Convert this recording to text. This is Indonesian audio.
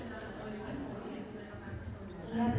kurang lebih satu miliar